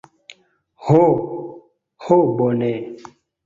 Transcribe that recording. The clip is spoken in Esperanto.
Ho, ho bone.